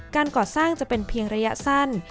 การก่อสร้างจะเป็นเพียงระยะสั้น